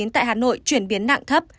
tại hà nội chuyển biến nặng thấp